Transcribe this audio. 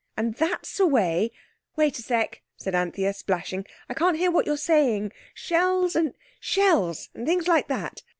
And that's the way—" "Wait a sec," said Anthea, splashing. "I can't hear what you're saying. Shells and—" "Shells, and things like that.